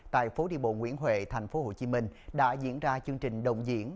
tại phố đi bộ nguyễn huệ tp hcm đã diễn ra chương trình đồng diễn